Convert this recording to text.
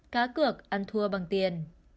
cá cược ăn thua bằng tiền